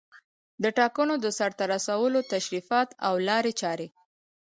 د ټاکنو د سرته رسولو تشریفات او لارې چارې